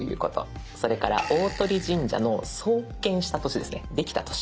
それから大鳥神社の創建した年ですねできた年。